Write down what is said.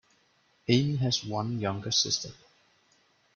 Amy has one younger sister.